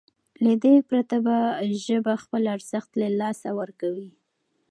له دې پرته ژبه خپل ارزښت له لاسه ورکوي.